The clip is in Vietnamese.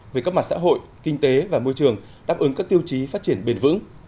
về các mặt xã hội kinh tế và môi trường đáp ứng các tiêu chí phát triển bền vững